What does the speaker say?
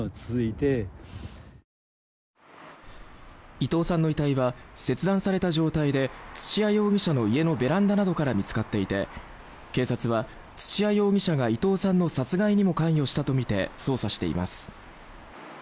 伊藤さんの遺体は切断された状態で土屋容疑者の家のベランダなどから見つかっていて警察は土屋容疑者が伊藤さんの殺害にも関与したとみて捜査しています。